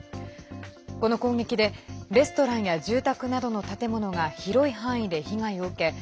この攻撃でレストランや住宅などの建物が広い範囲で被害を受け